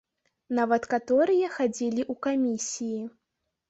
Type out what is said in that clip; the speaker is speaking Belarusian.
Нават каторыя хадзілі ў камісіі.